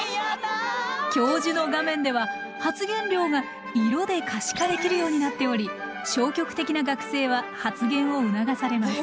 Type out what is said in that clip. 教授の画面では発言量が色で可視化できるようになっており消極的な学生は発言を促されます。